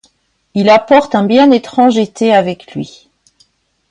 Il apporte un bien étrange été avec lui.